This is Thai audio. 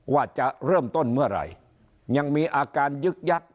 ว่าจะเริ่มต้นเมื่อไหร่ยังมีอาการยึกยักษ